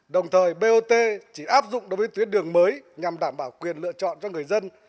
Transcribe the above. đồng thời bot chỉ áp dụng đối với tuyến đường mới nhằm đảm bảo quyền lựa chọn cho người dân